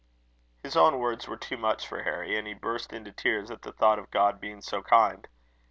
'" His own words were too much for Harry, and he burst into tears at the thought of God being so kind.